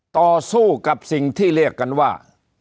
ต่อสู้กับสิ่งที่เรียกกันว่า